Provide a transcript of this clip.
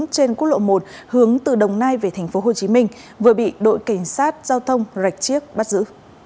trên quốc lộ một hướng từ đồng nai về tp hcm vừa bị đội cảnh sát giao thông rạch chiếc bắt giữ